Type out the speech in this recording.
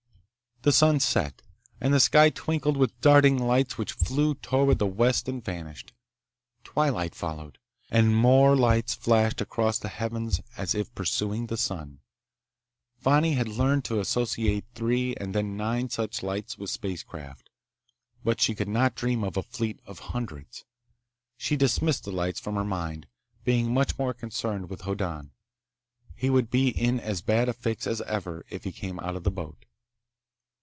The sun set, and the sky twinkled with darting lights which flew toward the west and vanished. Twilight followed, and more lights flashed across the heavens as if pursuing the sun. Fani had learned to associate three and then nine such lights with spacecraft, but she could not dream of a fleet of hundreds. She dismissed the lights from her mind, being much more concerned with Hoddan. He would be in as bad a fix as ever if he came out of the boat.